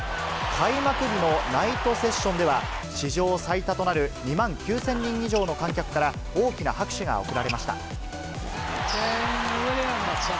開幕日のナイトセッションでは、史上最多となる２万９０００人以上の観客から大きな拍手が送られました。